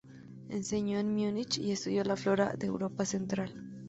Enseñó en Múnich y estudió la flora de Europa central.